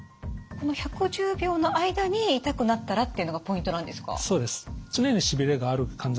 この１１０秒の間に痛くなったらっていうのがポイントなんですか？